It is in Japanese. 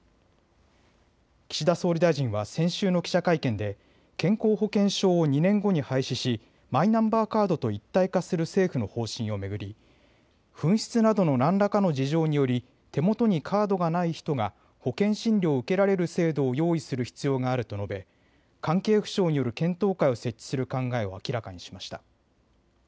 岸田総理大臣は先週の記者会見で健康保険証を２年後に廃止しマイナンバーカードと一体化する政府の方針を巡り紛失などの何らかの事情により手元にカードがない人が保険診療を受けられる制度を用意する必要があると述べ関係府省による検討会を設置する考えを明らかにしました。